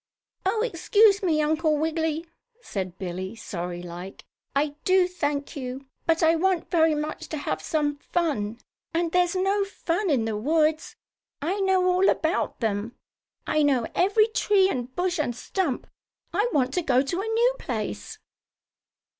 "Oh, excuse me, Uncle Wiggily," said Billie, sorrylike. "I do thank you. But I want very much to have some fun, and there's no fun in the woods. I know all about them. I know every tree and bush and stump. I want to go to a new place."